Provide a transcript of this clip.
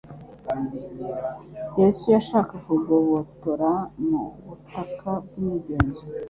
Yesu yashakaga kugobotora mu bubata bw'imigenzo,